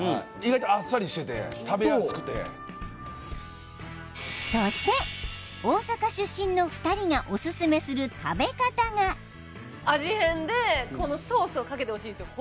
トマトソースとかそうそして大阪出身の２人がオススメする食べ方が味変でこのソースをかけてほしいんですよ